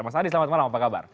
mas adi selamat malam apa kabar